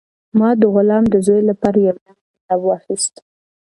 ما د غلام د زوی لپاره یو نوی کتاب واخیست.